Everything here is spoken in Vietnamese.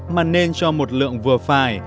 mà nên cho một lượng vừa phải